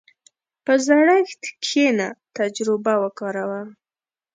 په زړښت کښېنه، تجربه وکاروه.